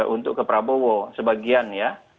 untuk ke prabowo sebagian ya